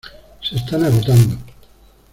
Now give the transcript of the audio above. Se están agotando.